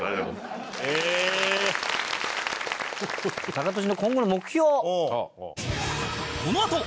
タカトシの今後の目標を。